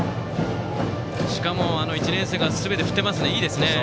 しかも、１年生がすべて振ってます、いいですね。